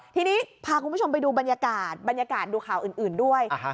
ทีนี้พาคุณผู้ชมไปดูบรรยากาศบรรยากาศดูข่าวอื่นด้วย